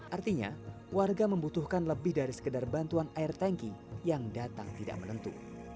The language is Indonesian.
artinya warga membutuhkan lebih dari sekedar bantuan air tanki yang datang tidak menentu